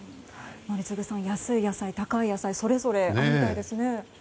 宜嗣さん、安い野菜高い野菜それぞれあるようですね。